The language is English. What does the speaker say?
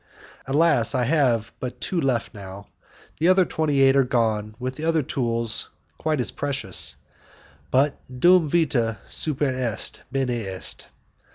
Alas! I have but two left now, the other twenty eight are gone with other tools quite as precious; but 'dum vita super est, bene est.